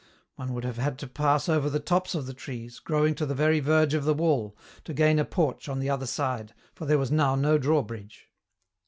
One would have had to pass over the tops of the trees, growing to the very verge of the wall, to gain a porch on the other side, for there was now no drawbridge.